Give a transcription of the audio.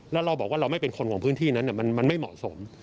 แล้วเราบอกว่าเราไม่เป็นคนของพื้นที่นั้นมันไม่เหมาะสม